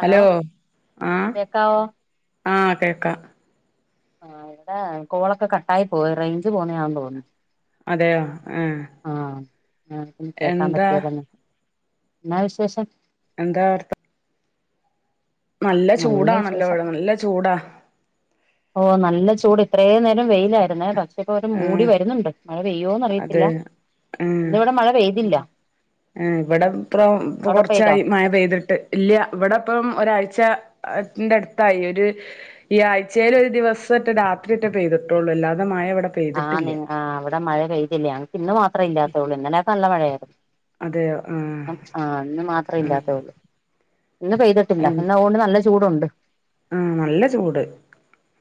Hello ആ കേക്കാവോ ആ കേക്കാ ആ ഇവടെ കോളൊക്കെ കട്ടായി പോയി റെയ്ഞ്ച് പോന്നായാന്ന് തോന്ന്ന്നു അതെയോ? ഏഹ് ആഹ നേര്ത്തൊന്നും കേക്കാം പറ്റേലേന്നു എന്നാ വിശേഷം? എന്താവർത്ത നല്ല ചൂടാണല്ലോ ഇവടെ നല്ല ചൂടാ ഓഹ് നല്ല ചൂട് ഇത്രേനേരം വെയിലായിരുന്നേ ടാ ഇവടെപ്പൊരു മൂടി ആഹ് വരുന്നുണ്ട് മഴ പെയ്യോന്നറിയത്തില്ല അതെ ഇന്നിവിടെ മഴ പെയ്തില്ല ഏഹ് ഇവടെപ്പം ഇപ്പ അവിടെ പെയ്തോ കൊർച്ചായി മഴ പെയ്ത്ട്ട് ഇല്ല്യ ഇവിടെപ്പം ഒരാഴ്ച ന്റെട്ത്തായി ഒരു ഈ ആഴ്ചേലൊരു ദിവസറ്റെ രാത്രിയെറ്റെ പെയ്തിട്ടൊള്ളൂ എല്ലാതെ മഴവെടെ ആഹ് നിങ്ങ ആ അവടെ മഴ പെയ്തില്ലേ ഞങ്ങക്കിന്ന് മാത്രേയില്ല്യാത്തൊള്ളൂ ഇന്നലെയക്കെ നല്ല മഴയായിരുന്നു അതെയോ? ആഹ് ആഹ് ഇന്ന് ആഹ് മാത്രേയില്ലാത്തൊള്ളു ഇന്ന് പെയ്തിട്ടില്ല ആഹ് ഇന്ന് ആഹോണ്ട് നല്ല ചൂടുണ്ട് ആഹ് നല്ല ചൂട്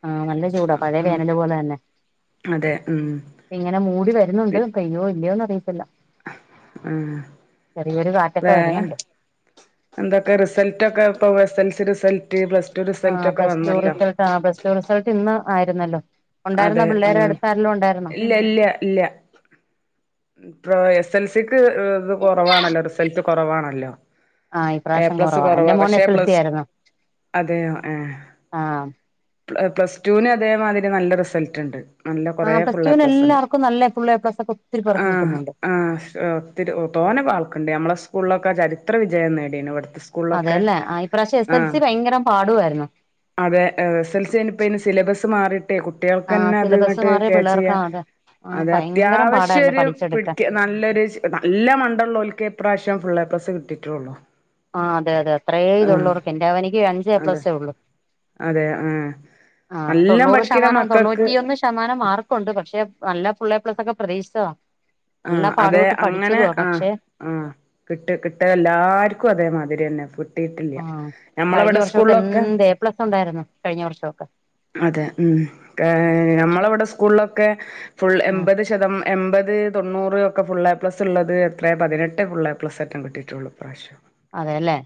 ആഹ നല്ല ചൂടാ പഴയ വേനല് പോലെന്നെ അതെ ഉം ഇങ്ങനെ മൂടി വരുന്നുണ്ട് പെയ്യോ ഇല്ലയോന്നറിയിത്തില്ല ആഹ് ചെറിയൊരു കാറ്റൊക്കെ വേ വരുന്നുണ്ട് എന്തൊക്കെ റിസൽറ്റൊക്കെ ഇപ്പ എസൽസി റിസൽട്ട് പ്ല സ് ടു റിസൽറ്റൊക്കെ വന്നല്ലോ ആ പ്ല സ് ടു റിസൽട്ട് ഇന്ന് ആയിരുന്നല്ലോ? ഉണ്ടായിരുന്നോ അതെ പിള്ളേരെ ആഹ് അടുത്ത് ആരെലും ഉണ്ടായിരുന്നോ ഇല്ല്യ ല്ല്യ ഇല്ല്യ ഇപ്രൊ എസ് എൽ സിക്ക് ഇത് കൊറവാണല്ലോ റിസൾട്ട് കൊറവാണല്ലോ? ആഹ് ഏ ഇപ്രാവശ്യം പ്ലസ് കുറവാ എന്റെ കൊറവാ മോൻ പക്ഷെ എസ് എൽ സി പ്ലസ്ടു ആയിരുന്നു അതെയോ? ആഹ് പ്ലസ്ടൂന് അതേമാതിരി നല്ല റിസൽട്ട്ണ്ട്. നല്ല കൊറേ ആഹ് പ്ലസ് ഫുള്ള് എ ടുവിന് പ്ലസ്ണ്ട് എല്ലാവർക്കും നല്ല ഫുൾ എ പ്ലസ് ഒക്കെ ഒത്തിരി പേർക്ക് ആഹ് കിട്ടുന്നുണ്ട് ആഹ് ശൊ ത്തിരി തോന ആൾക്കുണ്ട് നമ്മളെ സ്കൂളിലൊക്കെ ചരിത്ര വിജയം നേടിയിണ് ഇവിടുത്തെ സ് അതെയല്ലേ ആ ഇ പ്രാവശ്യ എസ് എൽ സി ഭയങ്കരം പാടുമായിരുന്നു. അതെ എസൽസിന്പ്പയിന് സിലബസ് മാറിയിട്ടേ കു ട്ടികൾക്ക് ആഹ് തന്നെ അത് സിലബസ് ഇങ്ങട്ട് മാറിയ പിള്ളേർക്ക് കാച്ചെയാൻ അതെ ആഹ് അത് ഭയങ്കര അത്യാവശ്യം പാടായിരുന്നു ഒരു പഠിച്ചെടുക്കാൻ പിടിക്ക നല്ലൊരുശ് നല്ല മണ്ട ഉള്ള ഒല്ക്കെ ഇപ്രാവശ്യം ഫുൾ എ പ്ലസ് കിട്ടിട്ടുള്ളു. ആഹ് അതെ അതെ അത്രേ ഇതുള്ളവർക്ക് എന്റെ അവനിക്ക് അഞ്ചേ അതെ എപ്ലസ്സേ ഉള്ളു. അതെ ആഹ് നല്ലോം തൊണ്ണൂറ് പഠി ശതമാനം തൊണ്ണൂറ്റിയൊന്ന് ശതമാനം മാർക്കുണ്ട് പക്ഷെ നല്ല ഫുള്ള് എപ്ലസ് ഒക്കെ പ്രതീക്ഷിച്ചത. ആഹ് അതെ അങ്ങനെ ആഹ് ആഹ് കിട്ട് കിട്ടിയ എല്ലാർക്കും അതേമാതിരി തന്നെ ഫു ആഹ് കഴിഞ്ഞ വർ ഷൊക്കെ എന്ത് എ പ്ലസ് ഉണ്ടായിരുന്നു കഴിഞ്ഞ വർഷൊക്കെ. അതെ ഉം കെ നമ്മളെവിടെ സ്കൂളിലൊക്കെ ഫുൾ ആ എൺപത് ശതമെ. എൺപത് തൊണ്ണൂറ് ഒക്കെ ഫുൾ എ പ്ലസ് ഉള്ളത് എത്രേ പതിനെട്ട് ഫുൾ എ പ്ലസ്റ്റ് കിട്ടിട്ടുള്ളു ഇപ്രാവശ്യം. അതെല്ലേ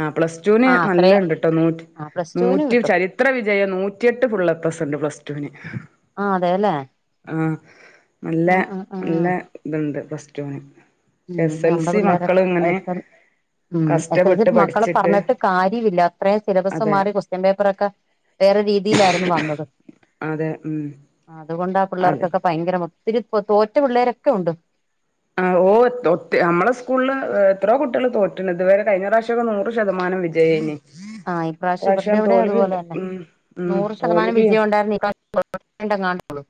ആഹ് പ്ലസ് ടുന് ആ അത്രേ നല്ലോ ഉണ്ട് ട്ടോ നൂ ആ പ്ലസ് ടുവിന് നൂറ്റി കിട്ടും ചരി ഇത്ര വിജയം നൂറ്റിയെട്ട് ഫുള്ള് എ പ്ലസ് ഉണ്ട് പ്ലസ്ടുന്. ആഹ് അതെല്ലെ? ആഹാ നല്ലേ ആ നല്ലെത്ണ്ട് പ്ലസ് ടു ന് എ ഉം സ് എൽ നമ്മുടെ സി പിള്ളേരൊക്കെ മക്കളി ഇങ്ങനെ എസ് എൽ ഉം എസ് എൽ സി കഷ്ടപ്പെട്ട് മക്കളെ പഠിച്ചിട്ട് പറഞ്ഞിട്ട് കാര്യവില്ല അത്രയും സിലബസ്സ് അതെ മാറി കൊസ് സ്റ്റ്യൻ പേപ്പറൊക്കെ വേറെ രീതിയിലായിരുന്നു വന്നത്. അതെ ഉം അതുകൊണ്ടാ അതെ പിള്ളേർക്കൊക്കെ ഭയങ്കരം ഒത്തിരി തോറ്റ പിള്ളേരൊക്കെ ഉണ്ട്. ആഹ് ഓതൊത്തി ഒ നമ്മളെ സ്കൂളിൽ എത്ര കുട്ടികൾ തോറ്റണ് ഇതുവരെ കഴിഞ്ഞ പ്രാവശ്യൊക്കെ നൂറ് ശതമാനം വി ജയേനി. ആഹ് ഇപ്രാവശ്യ ഇവരുടെ ഇവിടെ അതുപോലെ തന്നെ ഉം ഉം നൂറ് ശതമാനം തോൽവിയും വിജയം ഉണ്ടായിരുന്നുപ്പ [unintelligible] ണ്ടങ്ങാണ്ടേള്ള്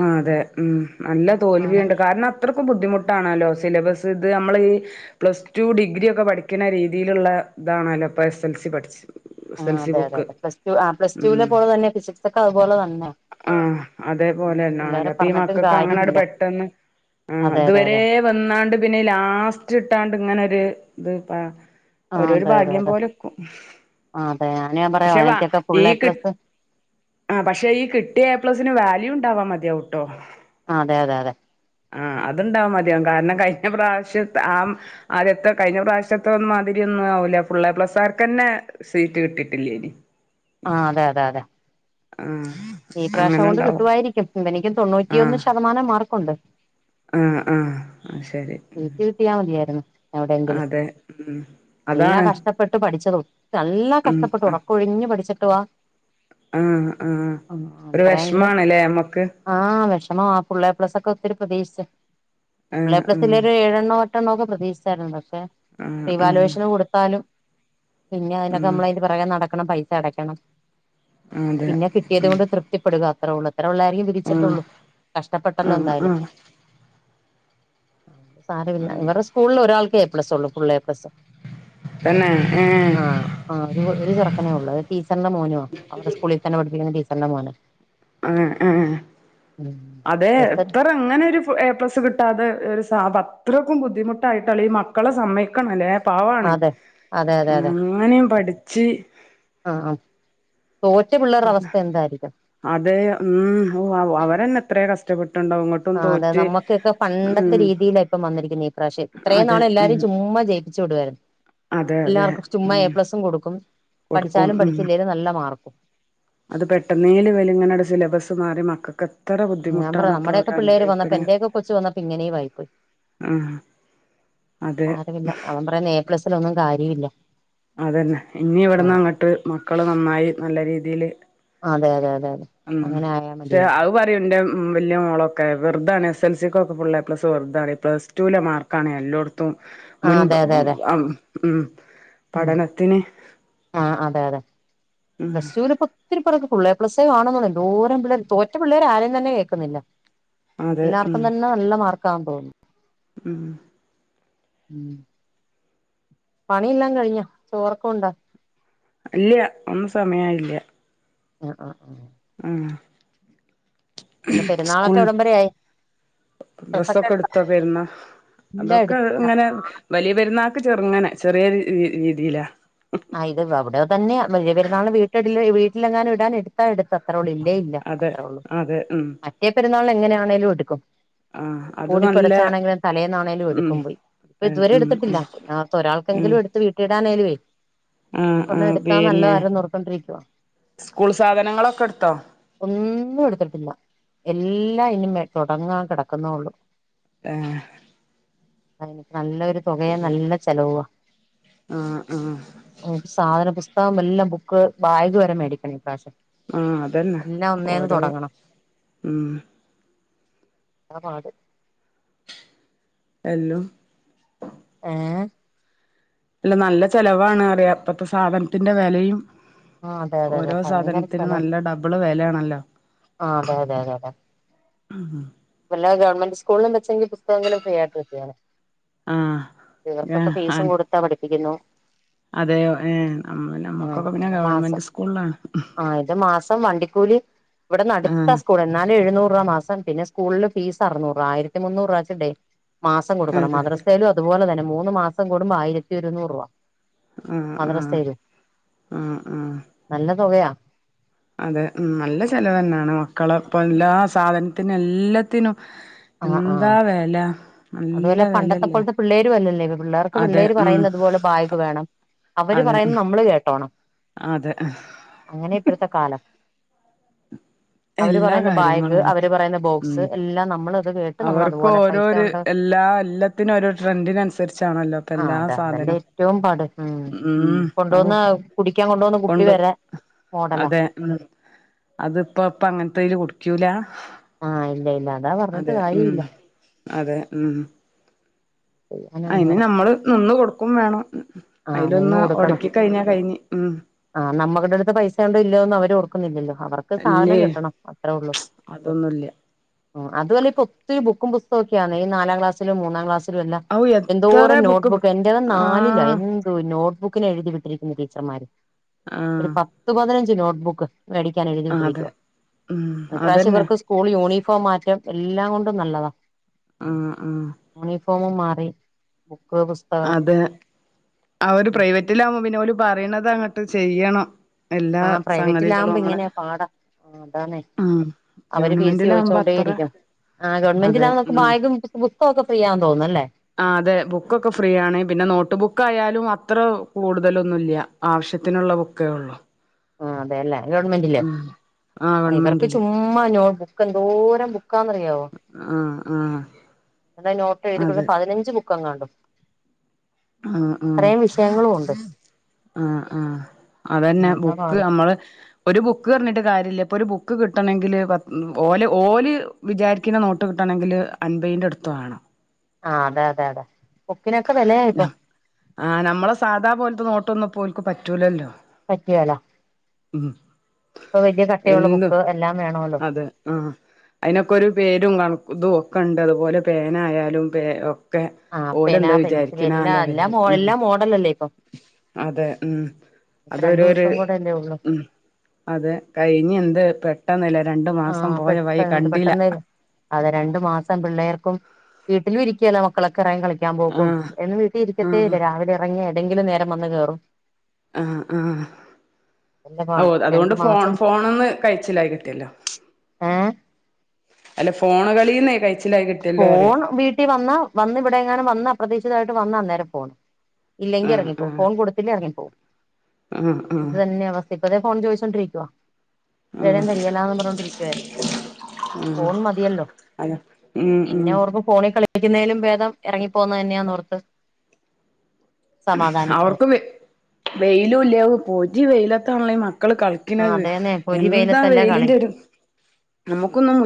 ആഹ് അതെ ഉം നല്ല ആ അതെ തോൽവിയുണ്ട് കാരണം അത്രയ്ക്കും ബുദ്ധിമുട്ടാണല്ലോ സിലബസ് ഇത് നമ്മള് ഈ പ്ലസ് ടു ഡിഗ്രി ഒക്കെ പഠിക്കുന്ന രീതിയിലുള്ള ഇതാണല്ലോ ഇപ്പൊ എസ് എൽ സി പഠിച്ച്. എസ് ആഹ് എൽ സി അതെ അതെ ബുക്ക് അതെ പ്ലസ് ടു ആ പ്ലസ്ടൂവിലെ ഉം പോലെ തന്നെ ഫിസിക്സ് ഒക്കെ അതുപോലെ തന്നെ. പോലാണല്ലോ പിള്ളേരെ അപ്പൊ ഈ പറഞ്ഞിട്ടും മക്കൾക്ക് അങ്ങനെ കാര്യമില്ല പെട്ടെന്ന് അതെ അതെ ഇതുവരേ അതെ വന്നാണ്ട് പിന്നെ ലാസ്റ്റ് ഇട്ടാണ്ട് ഇങ്ങനെ ഒരു ഇത് ഓരോരു ഭാഗ്യം പോലെക്കും. ആഹ് അതെ ഞന് ഞാൻ പറയാ പക്ഷെ വ എനിക്കൊക്കെ ഈ ഫുള് എ കി പ്ലസ്. ആഹ് പക്ഷെ ഈ കിട്ടിയ എ പ്ലസിന് വാല്യൂ ഉണ്ടാവാ മതിയാവു ട്ടോ. ആഹ് അതെ അതെ അതെ- ആഹ് അതുണ്ടാവും മതിയാവും കാരണം കഴിഞ്ഞ പ്രാവശ്യത്തേ ആ ആദ്യത്തെ കഴിഞ്ഞ പ്രാവശ്യത്തെ മാതിരി ഒന്നും ആവൂല്ല ഫുള്ള് എപ്ലസാർക്കെന്നെ. സീറ്റ് കിട്ടിട്ടില്ലെയിനി. ആഹ് അതെ അതെ അതെ. ആഹ് ഈ പ്രാവശ്യാതൊണ്ട് കിട്ടു അങ്ങനെണ്ടാവും വായിരിക്കും ഇവനിക്ക് ആഹ് തൊണ്ണൂറ്റിയൊന്ന് ശതമാനം മാർക്കൊണ്ട്. ആഹ് ആഹ് ആ ശരി. ട്ടിയാ മതിയാരിന്നു. എവിടെയങ്കിലും അതെ ഉം നല്ല അതാണ് കഷ്ടപ്പെട്ട് പഠിച്ചത് ഒ നല്ല ഉം കഷ്ടപ്പെട്ട് ഉറ ആഹ് ക്കൊഴിഞ്ഞു പഠിച്ചിട്ടുവാ ആഹ് ആഹ് ഒരു വിഷമാണ്ല്ലേ മ്മക്ക് ആഹ് വെഷമവ ആ ഫുള്ള് എ പ്ലസ് ഒക്കെ ഒത്തിരി പ്രതീക്ഷിച്ചേ ആഹ് പ്ലസില് ആഹ് ഒരു ഏഴെണ്ണോ പട്ടേണ്ണോ ക്കെ പ്രതീക്ഷിച്ചായിരുന്നു പക്ഷെ ആഹ് ആഹ് റീവാലുവേഷന് കൊടുത്താലും പിന്നെ അതിന് ഒക്കെ ഉം നമ്മള് പൊറകെ നടക്കണം പൈസ അടയ്ക്കണം അതെ പിന്നെ കിട്ടിയത് ഉം കൊണ്ട് തൃ പ്ത്തിപ്പെടുക അത്ര ഒള്ള് അത്ര ഒള്ള് ആയിരിക്കും വിധിച്ചിട്ട് ഒള്ളൂ കഷ്ടപ്പെട്ടല്ലോ ആഹ് ആഹ് എന്തായാലും ആഹ് സാരവില്ല ഇവറടെ സ്കൂളിൽ ഒരാൾക്കേ എ പ്ലസ് ഒള്ളൂ ഫുള്ള് എ പ്ലസ് തന്നെ ഏഹ് ആഹ് ഒരു ഒര് ചെറക്കനേ ഒള്ളൂ അത് ടീച്ചറിന്റെ മോനോ അവറടെ സ്കൂളിൽ തന്നെ പഠിപ്പിക്കുന്ന ടിച്ചറിന്റെ മോന് ആഹ് ആഹ് അതെ എത്ര അങ്ങനെ ഒരു ഫ് എ പ്ലസ് കിട്ടാതെ ഒരു സ അം അത്രക്കും ബുദ്ധി ആയിട്ടുള്ള ഈ മക്കളെ സമ്മക്കണല്ലേ പവാണ് അതെ അതെ അതെ ഉം അങ്ങനെയും പഠിച്ച് ആഹ് ആഹ് തോറ്റ പിള്ളറടെ അവസ്ഥ എന്തായിരിക്കും അതെ ഉം ഓ വാ വോ അവരന്നെ എത്രയ കഷ്ടപ്പെട്ട് ഉണ്ടാവും അങ്ങോട്ട് ആഹ് അതെ നമ്മക്ക് ഇക്കെ പണ്ടത്തെ രീതിലാ ഇപ്പം വന്നിരിക്കുന്നെ ഈ പ്രാവശ്യം ഇത്രയും അതെ നാള്‌ എല്ലാരം ഉം ചുമ്മാ ജയി ച്ചൂ വിട്വാര്ന്ന് അതെ അതെ എല്ലാർക്കും ചുമ്മാ ഉം എ പ്ലസും കൊടുക്കും കൊടുക്കും പഠിച്ചാലും ഉം പഠിച്ചില്ലേലും നല്ല മാർക്കും അത് പെട്ടെന്നേല് വെലങ്ങന ഒരു സിലബസ് മാറി മക്കൾക്ക് ഞാൻ ബുദ്ധിമുട്ടാണ് പറയുവാ ഇപ്പോ നമ്മടെ ഒക്കെ പിള്ളേര് വന്നപ്പോ അവരനുഭവിക്കണെ എന്റെ ഒക്കെ കൊച്ചു വന്നപ്പോ ഇങ്ങനെയും ആയിപ്പോയി ആഹ് അതെ സാരമില്ല അവൻ പറയുന്നത് ഏ പ്ലസിലൊന്നും കാര്യവില്ല അതന്നെ ഇനി ഇവിടന്ന് അങ്ങോട്ട് മക്കള് നന്നായി നല്ല രീതിയില് അത അതെ അതെ അതെ അങ്ങനെ ആയാ മതി ഏആവൂ അത് പറയും എന്റെ വെല്യ മോള് ഒക്കെ വെുതാണ് എസ് എൽ സി ഒക്കെ ഫുള്ള് എ പ്ലസ് വെറുതാണ് പ്ലസ്ടുലെ മാർക്കാണ് എല്ലോടത്തും തു ആ മുൻപ് അതെ അതെ അതെ ആഹ് ഉം ഉം ഉം പഠനത്തിന് ആഹ് അതെ അതെ ഉം പ്ലസ്ടുവില് ഇപ്പ ഒതിരി പെർക്ക് ഫുള്ള് എ പ്ലസെ കാണുന്നെ ഒള്ളൂ എന്തോരം പിള്ളേര് തോറ്റ പിള്ളേര് ആരും തന്നെ കേൾക്കുന്നില്ല അതെ ഉം എല്ലാർക്കും തന്നെ നല്ല മാർക്കാന്ന് തോന്നുന്നു ഉം ഉം പണി ഇല്ലാം കഴിഞ്ഞ ചോറക്ക വെന്താ ഇല്ല്യ ഒന്നും സമയയില്ല ആഹ് ആഹ് ആഹ് ആഹ് പിന്നെ പെരുന്നാള് ഒക്കെ സ്കൂൾ എവിടം വരെ ആയി ഡ്രസ്സൊക്കെ എടുത്ത പരുന്ന ഇല്ല അതൊക്കെ അഹ് എടുത്തില്ല ഇങ്ങനെ വലിയ പെരുന്നാൾക്ക് ചെറുങ്ങനെ ചെറിയ രീതിയിലാ ആഹ് ഇത് വാ അവിടെ തന്നെ വെല്ല്യ പെരുന്നാൾ വീട്ടിൽ ഇടില്ല വീട്ടിലെങ്ങാനും ഇടാനെ താട്ത്ത അത്ര ഒള്ളേ ഇല്ലേ ഇല്ല അതെ അത്രള്ളൂ അതെ ഉം മറ്റേ പെരുന്നാൾ എങ്ങനെ ആണെങ്കിലും എടുക്കും ആഹ് അത് നല്ല ഓടിപ്പെടച്ച് ആണെങ്കിലും തലേന്ന് ആണെങ്കിലും ഉം എടുക്കും പോയി ഇപ്പ ഉം ഇതുവരെ ഉം എടുത്തിട്ടില്ല ഉം അപ്പം ഒരാൾക്ക് ഉം എങ്കിലും എടുത്ത് വീട്ടിടാനായലുവേ ആഹ് ആഹ് പിന്നെ ഓർത്തോണ്ടിരിക്കുവാ സ്കൂൾ സാധനങ്ങള് ഒക്കെ എടുത്തോ ഒന്നും എടുത്തിട്ടില്ല എല്ലാം ഇനി മേ തുടങ്ങാൻ കിടക്കുന്നേ ഒള്ളൂ ആഹ് അഹ് എനിക്ക് നല്ലൊരു തൊകേ നല്ല ചെലവുവാ ആഹ് ആഹ് ഓം സാധന പുസ്തകം എല്ലാം ബുക്ക് ബാഗ് വരെ മേടിക്കണ ഇപ്രാവശ്യം ആഹ് അതന്നെ എല്ലാം ഒന്നേന്ന് ഓരോ തൊടങ്ങണം ഉം ആതാ പാട് ഹലോ ഏഹ് അല്ല നല്ല ചെലവാണ് അറിയ ഇപ്പത്തെ സാധനത്തിന്റെ വെലയും ആഹ് അതെ അതെ അതെ ഓരോ ഭയങ്കര സാധനത്തിന് ചെലവ് നല്ല ഡബിള് വെലയാണല്ലോ ആഹ് അതെ അതെ അതെ അതെ ഉം ആഹ് വല്ല ഗവമെന്റ് സ്കൂളില വച്ചെങ്കിൽ പുസ്തകങ്ങള ഫീ ആയിട്ട്രിക്കയാണ് ആഹ് ഇവർക്കൊക്കെ ഫീസും കൊടുത്താ പഠിപ്പിക്കുന്നു അതെ മ്മ നമ്മക്കൊക്കെ പി- ടെ മാസം ആ ഇത് മാസം- വണ്ടിക്കൂലി ഇവിടെ നടുത്ത ആഹ് സ്കൂള- എന്നാലും എഴുന്നൂറ് രൂപ മാസം- പിന്നെ സ്കൂളിൽ ഫീ ആരുന്നൂർ, ആയിരത്തി മുന്നൂറ് രൂപച്ചുഡെയിലി, മാസം കൊടുക്കണം. ആഹ് മദ്രസയിലും, അതുപോലെ തന്നെ മൂന്ന് മാസം കൂടുമ്പോ ആയിരത്തിരുന്നൂറ് രൂപ. ഉം ഉം മദ്രസയിലും ഉം ഉം... നല്ല തുകയാ. അതെ ഉഉം നല്ല ചെിലവ് തന്നാണ്, മക്കള ഇപ്പോ എല്ലാ സാധനത്തിനും, എല്ലാത്തിനും. ആഹ് ആഹ് എന്താ വില നല്ല വിലല്ലേ. പിള്ളേര് വല്ലേ, പിള്ളേർക്ക് പിള്ളേര്- പറയുന്നതുപോലെ ബാഗ് വേണം. അവര് അതെ പറയുന്നത് നമ്മള് കേട്ടോണം. അതെ. അങ്ങനെ ഇപ്പോഴത്തെ കാലം. അവര് എല്ലാ പറയുന്ന ബാഗ് കാര്യങ്ങളും അവര്- പറയുന്ന ഉം ബോക്സ് എല്ലാം നമ്മള്, അവർക്ക് ഓരോരു എല്ലാ എല്ലാത്തിനും ഒരു ട്രെൻഡിനനുസരിച്ചാണല്ലോ? അപ്പോ ആഹ് എല്ലാ അതെ അതല്ലേ സാധനം. ഏറ്റവും പാട് ഉം ഉം ഔ കൊണ്ടുവന്ന്- കുടിക്കാൻ കൊണ്ട വന്ന് കുട്ടി കൊണ്ട് വരെ മോഡലാ. അതെ അതിപ്പോ ഇപ്പ അങ്ങനത്തൽ കുടിക്കൂല. ആഹ ഇല്ല, ഇല്ല അതാ പറഞ്ഞിട്ട് അതെ കാര്യ ഉം ഇില്ല. അതെ അതിന് നമ്മള് നിന്ന് കൊടുക്കും- വേണം, ആഹ് അതിലൊന്ന് ഒടക്കി കഴിഞ്ഞാ കഴിഞ്ഞു. ഉം.. ആ് നമ്മുടെ അടുത്ത് പൈസ- ഉണ്ടോ ഇല്ലോന്നും അവര്- ഓർക്കുന്നില്ലല്ലോ അവർക്ക്- ക്ക് സാധനം ഇല്ലേ കിട്ടണം അത്രേ ഉള്ളൂ. അതൊന്നുല്ല ഉ അതുവല്ല ഇപ്പ ഒത്തിരി ബുക്കും, പുസ്തക ഒക്കെയാണ് ഈ, നാലാംക്ലാസിലും, മൂന്നാം ക്ലാസില്. ഔ എത്ര എന്തോരം ബുക്ക് നോട്ട്ബുക്ക് എറത നാലി- ആഹ് നോട്ട്ബുക്കന് എഴുതി വിട്ടിരിക്കുന്ന- ടീച്ചർമാര് ഒരു ആഹ് പത്തു പതിനഞ്ച് നോട്ട്ബുക്ക്. മേടിക്കാൻ എഴുതി അതെ വിട്ടിരിക്കുവ, ഉം ഇപ്രാവശ്യം അതന്നെ ഇവർക്ക്- സ്കൂൾ യൂണിഫോം മാറ്റം എല്ലാം കൊണ്ടും നല്ലതാണ്. ആഹ ആഹാ. യൂണിഫോം മാറി ബുക്ക്. പുസ്തകം അത് അവ ഒരു, പ്രൈവറ്റിലാവകുമ്പോ പിന്നെ, പോല പറയണത് അങ്ങോട്ട് ചെയ്യണം. എല്ലാ ആഹ പ്രൈവറ്റില സംഗതികളും ആവുമ്പോ നമ്മള് ഇങ്ങനെ പാടാ. ആ അതാണെ ഉം അവര് പി. സി- ചോദിച്ചോ ഗവൺമെന്റിലാവുമ്പോ അത്ര കൊണ്ടേയിരിക്കും, ആഹാ ഗവൺമെന്റ അതെ നക്കെ ഉം ഭാഗം. പുസ്തമൊക്കെ ചെയ്യാൻ തോന്നുന്നുല്ലേ. ആ അതെ ബുക്കൊക്കെ ഫ്രീ ആണ്, പിന്നെ നോട്ട് ബുക്ക് ആയാലും അത്ര കൂടുതലൊന്നുല്ല. ആവശ്യത്തിനുള്ള ബുക്കേ ഉള്ളൂ. ആഹാ അതെയല്ലേ, ഗവൺമെന്റല്ലേ ആ ഇവർക്ക് ഗവൺമെന്റില് ചുമ- അരോട് ബുക്ക്, എന്തോരം ബുക്കാറിയാവോ. ആ ആ നോട്ട് എഴുതിക്കണ്ട് അതെ പതിനഞ്ച് ബുക്കങ്ങാണ്ടോ. ആഹ, ആഹ. ഉണ്ട് ആഹ, ആഹ അതന്നെ എന്താ ബുക്ക് പാട് നമ്മള്, ഒരു ബുക്ക് പറഞ്ഞിട്ട് കാര്യല്ല, ഇപ്പോ ഒരു ബുക്ക് കിട്ടണെങ്കില് ഓല, ഓല്. വിചാരിക്കുന്ന നോട്ട് കിട്ടണമെങ്കിൽ അൻപതിൻ്റെ അടുത്തണ്. ആഹാ അതെ, അതെ, അതെ, ബുക്കിനൊക്കെ വിലയായിപ്പോ. ആഹ് നമ്മളെ സാധാ പോലത്തെ, നോട്ടൊന്നും പോലക്ക് പറ്റൂലല്ലോ. പറ്റെല. ഉം. ഇപ്പോ വലിയ കട്ടയുള്ള ബുക്ക് എല്ലാം വേണല്ലോ? ആഹാ അതിനൊക്കെ ഒരു പേരും കണും, ഇതും ഒക്കെ ഉണ്ട്. അതുപോലെ പേനയാലും പേ- ഒക്കെ ആ പേന ഓലെന്താ പെൻസിൽ വിചാരിക്കണ ആ എല്ലാ എല്ലാ ലെവല് ഉം എല്ലാ മോഡലല്ലേ ഇപ്പം അതെ ഉം ഇപ്പ രണ്ടു അതരുരു. ദിവസം ഉള്ളൂ. ഉം അതെ കഴിഞ്ഞു, പെട്ടെന്നല്ലേ രണ്ടു മാസം പോയ വൈ കണ്ടില്ല. അതെ രണ്ടു മാസം പിള്ളേർക്കും വീട്ടിലും ഇരിക്കല്ല മക്കളൊക്കെ ഇറിങ്ങി കളിക്കും. ക്ക്യൻ പോക്കും ആഹ് എന്നും വീട്ടിൽ ഇരിക്കത്തേ ആഹ് ഇല്ല. രാവിലെ ഇറങ്ങി ഏതെങ്കിലും നേരം വന്ന് കേയറും. ആഹ് ആഹ്. പാട് രണ്ടു അതുകൊണ്ട് ഫോൺ മാസം ഫോണന്ന് കഴിച്ചില്ലായികി ട്ടില്ലോ ഏ അല്ലാ ഫോണ്കളിന്ന് കയ് ഫോൺ വീട്ടിൽ വന്നാ, വന്ന് ഇവിടെ എങ്ങാനും വന്ന, അപ്രാതീക്ഷിതായിട്ട് വന്നാ അന്നേരം ഫോണ്. ഇല്ലെങ്കി ആഹ് ഇറങ്ങിപ്പോ ഫോൺ കൊടുത്തില്ലേ ഇറങ്ങിപ്പോവും ഉും ഉും തന്ന അവസ്ഥ ഇപതെ ഫോൺ ചോയിച്ചോണ്ടിരിക്കുവോ. ഇടം ശെരിയലാന്ന് പറഞ്ഞൊണ്ടിരിക്കുവായിരുന്നു. ആഹ് ആഹ് ഫോൺ മതിയല്ലോ അതെ ഉം പിന്നെ ഉം ഓർക്കും ഫോണിൽ കളിപ്പിക്കുന്നേലും ബേദം ഇറങ്ങിപ്പോകുന്ന തന്നെയാന്ന് ഓർത്ത്. അവർക്ക് വെയ് വെയിലും ഇല്ല പൊരി വെയിലത്താണല്ലോ ഈ മക്കള് കളി ആ ക്ണ്ത്. അതേന്നെ പൊരി എന്താ വെയിലത്തല്ലേ കളി വെലിന്റെരു നമുക്കൊന്നും മു